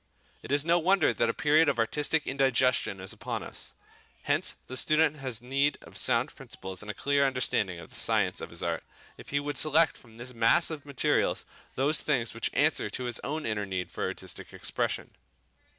It is no wonder that a period of artistic indigestion is upon us. Hence the student has need of sound principles and a clear understanding of the science of his art, if he would select from this mass of material those things which answer to his own inner need for artistic expression.